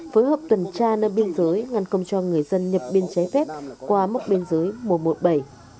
phối hợp tuần tra nơi biên giới ngăn không cho người dân nhập biên trái phép qua mốc biên giới mùa một bảy